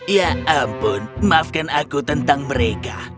ya ampun maafkan aku tentang mereka